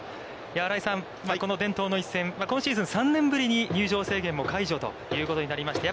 新井さん、この伝統の一戦、今シーズン、３年ぶりに入場制限も解除ということになりました。